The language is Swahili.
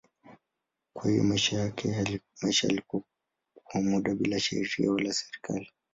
Kwa hiyo maisha yalikuwa kwa muda bila sheria wala serikali.